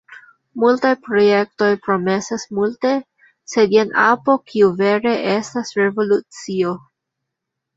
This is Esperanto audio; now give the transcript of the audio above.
Multaj projektoj promesas multe, sed jen apo kiu vere estas revolucio.